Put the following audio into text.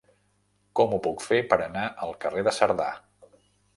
Com ho puc fer per anar al carrer de Cerdà?